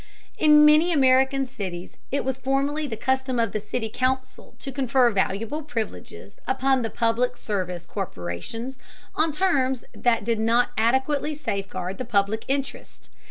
In many American cities it was formerly the custom of the city council to confer valuable privileges upon public service corporations on terms that did not adequately safeguard the public interest.